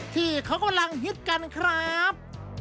ที่เขากำลังฮิตกันครับ